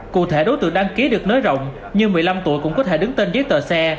cụ thể đối tượng đăng ký được nới rộng như một mươi năm tuổi cũng có thể đứng tên giấy tờ xe